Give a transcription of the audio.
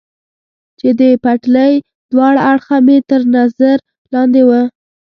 چې د پټلۍ دواړه اړخه مې تر نظر لاندې و.